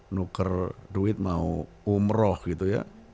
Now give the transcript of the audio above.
nuker duit mau umroh gitu ya